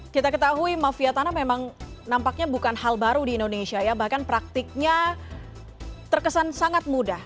kita ketahui mafia tanah memang nampaknya bukan hal baru di indonesia ya bahkan praktiknya terkesan sangat mudah